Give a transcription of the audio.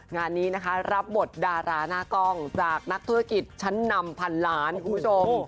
งานนี้นะคะรับบทดาราหน้ากล้องจากนักธุรกิจชั้นนำพันล้านคุณผู้ชม